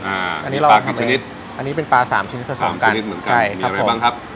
อันนี้เราปลากี่ชนิดอันนี้เป็นปลาสามชนิดผสมกันนิดเหมือนกันใช่มีอะไรบ้างครับ